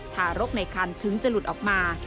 ทารกในคันถึงจะหลุดออกมา